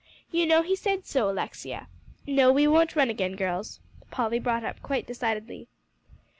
"You know he said so, Alexia. No, we won't run again, girls," Polly brought up quite decidedly.